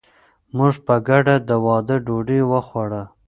موږ په ګډه د واده ډوډۍ وخوړه.